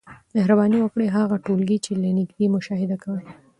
مهرباني وکړئ هغه ټولګي چي له نیژدې مشاهده کوی